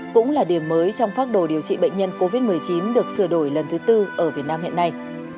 cũng là điểm mới trong phác đồ điều trị bệnh nhân covid một mươi chín được sửa đổi lần thứ tư ở việt nam hiện nay